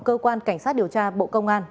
cơ quan cảnh sát điều tra bộ công an